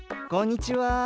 こんにちは。